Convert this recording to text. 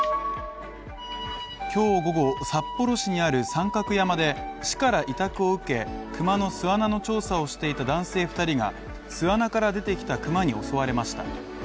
今日午後、札幌市にある三角山で市から委託を受け熊の巣穴の調査をしていた男性２人が巣穴から出てきた熊に襲われました。